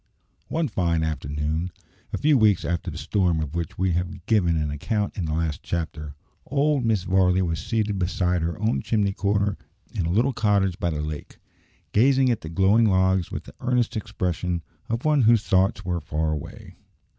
One fine afternoon, a few weeks after the storm of which we have given an account in the last chapter, old Mrs. Varley was seated beside her own chimney corner in the little cottage by the lake, gazing at the glowing logs with the earnest expression of one whose thoughts were far away.